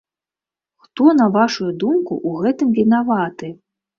Хто, на вашую думку, у гэтым вінаваты?